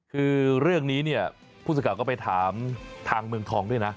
คือเรื่องนี้เนี่ยผู้สื่อข่าวก็ไปถามทางเมืองทองด้วยนะ